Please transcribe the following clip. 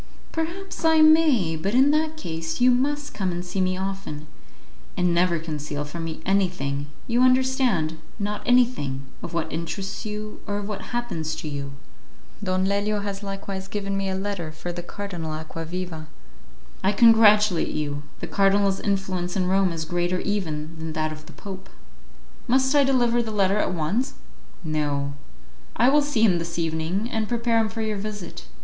"Perhaps I may; but in that case you must come and see me often, and never conceal from me anything, you understand, not anything, of what interests you, or of what happens to you." "Don Lelio has likewise given me a letter for the Cardinal Acquaviva." "I congratulate you; the cardinal's influence in Rome is greater even than that of the Pope." "Must I deliver the letter at once?" "No; I will see him this evening, and prepare him for your visit.